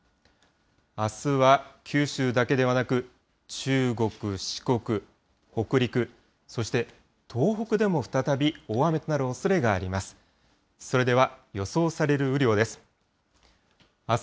あすは九州だけではなく、中国、四国、北陸、そして東北でも再び大雨となるおそれがあります。